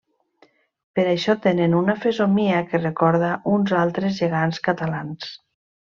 Per això tenen una fesomia que recorda uns altres gegants catalans.